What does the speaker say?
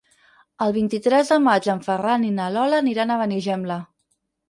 El vint-i-tres de maig en Ferran i na Lola aniran a Benigembla.